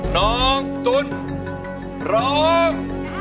น้องตุ๋นร้อง